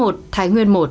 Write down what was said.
thái nguyên một